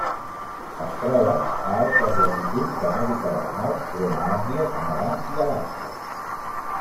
Es troba a altes latituds d'Amèrica del Nord Groenlàndia, Canadà, i Alaska.